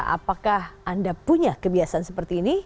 apakah anda punya kebiasaan seperti ini